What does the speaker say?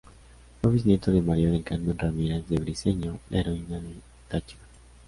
Fue bisnieto de María del Carmen Ramírez de Briceño, la heroína del Táchira.